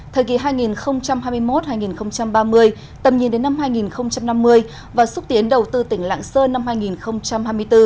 thời kỳ hai nghìn hai mươi một hai nghìn ba mươi tầm nhìn đến năm hai nghìn năm mươi và xúc tiến đầu tư tỉnh lạng sơn năm hai nghìn hai mươi bốn